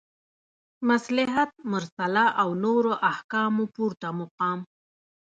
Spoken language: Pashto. مصلحت مرسله او نورو احکامو پورته مقام